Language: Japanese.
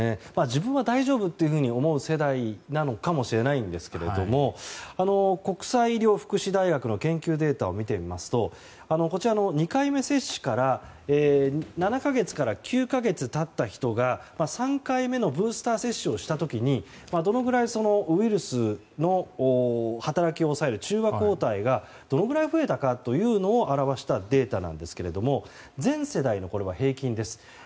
自分は大丈夫と思う世代なのかもしれないんですけど国際医療福祉大学の研究データを見てみますと２回目接種から７か月から９か月経った人が３回目のブースター接種をした時にウイルスの働きを抑える中和抗体がどれくらい増えたかを表したデータなんですけれどもこれは全世代の平均です。